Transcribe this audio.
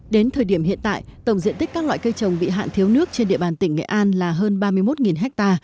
đến thời điểm hiện tại tổng diện tích các loại cây trồng bị hạn thiếu nước trên địa bàn tỉnh nghệ an là hơn ba mươi một ha